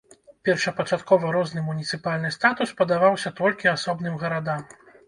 Першапачаткова розны муніцыпальны статус падаваўся толькі асобным гарадам.